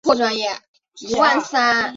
江苏省崇明县中兴镇永南村人。